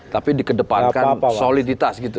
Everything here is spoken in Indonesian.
tapi di kedepankan soliditas gitu